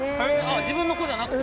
自分の子じゃなくて？